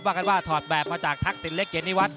ว่ากันว่าถอดแบบมาจากทักษินเล็กเกณฑิวัฒน์